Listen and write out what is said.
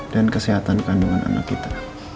dan kesehatan kandungan anak kita